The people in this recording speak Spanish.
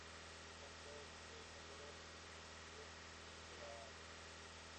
Son plantas trepadoras arbustivas glabras.